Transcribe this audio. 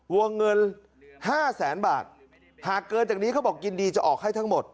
วงเงินห้าแสนบาทหากเกินจากนี้เขาบอกยินดีจะออกให้ทั้งหมด